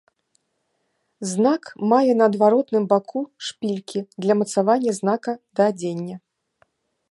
Знак мае на адваротным боку шпількі для мацавання знака да адзення.